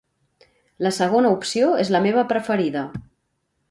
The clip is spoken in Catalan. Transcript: La segona opció és la meva preferida.